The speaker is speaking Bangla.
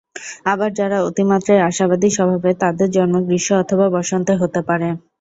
আবার যারা অতিমাত্রায় আশাবাদী স্বভাবের, তাদের জন্ম গ্রীষ্ম অথবা বসন্তে হতে পারে।